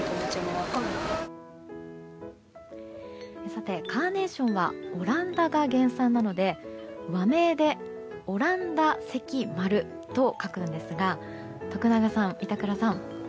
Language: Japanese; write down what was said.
さて、カーネーションはオランダが原産なので和名で和蘭石〇と書くんですが徳永さん、板倉さん